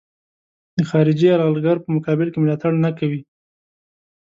د خارجي یرغلګر په مقابل کې ملاتړ نه کوي.